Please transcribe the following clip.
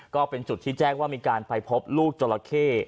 ก็เป็นจุดที่แจ้งว่ามีการไปพบลูกจราเข้